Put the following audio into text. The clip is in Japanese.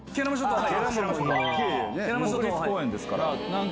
国立公園ですから。